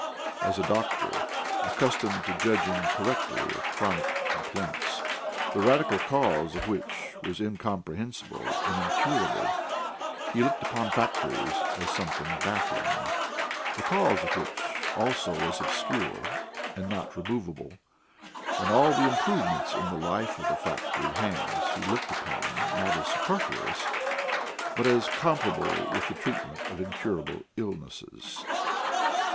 As a doctor accustomed to judging correctly of chronic complaints, the radical cause of which was incomprehensible and incurable, he looked upon factories as something baffling, the cause of which also was obscure and not removable, and all the improvements in the life of the factory hands he looked upon not as superfluous, but as comparable with the treatment of incurable illnesses.